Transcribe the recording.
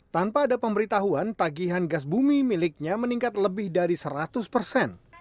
tanpa ada pemberitahuan tagihan gas bumi miliknya meningkat lebih dari seratus persen